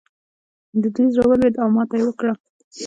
د دوی زړه ولوېد او ماته یې وکړه.